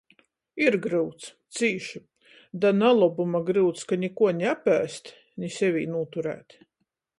Ir gryuts. Cīši. Da nalobuma gryuts, ka nikuo ni apēst, ni sevī nūturēt.